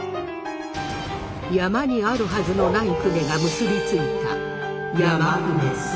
山にあるはずのない舩が結び付いた山舩様。